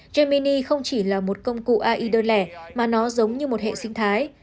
jamini không chỉ là một công cụ ai đơn lẻ mà nó giống như một hệ sinh thái